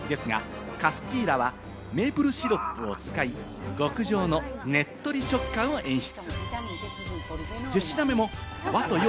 ですが、カスティーラはメープルシロップを使い、極上のねっとり食感を演出。